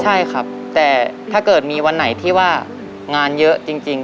ใช่ครับแต่ถ้าเกิดมีวันไหนที่ว่างานเยอะจริง